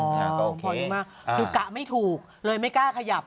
ก็โอเคมากคือกะไม่ถูกเลยไม่กล้าขยับ